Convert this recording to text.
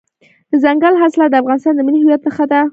دځنګل حاصلات د افغانستان د ملي هویت نښه ده.